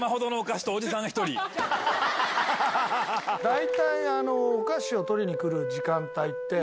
大体お菓子を取りに来る時間帯って。